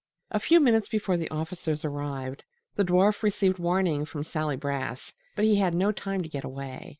A few minutes before the officers arrived the dwarf received warning from Sally Brass, but he had no time to get away.